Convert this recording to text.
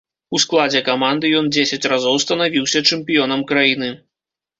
У складзе каманды ён дзесяць разоў станавіўся чэмпіёнам краіны.